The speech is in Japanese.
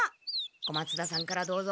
小松田さんからどうぞ。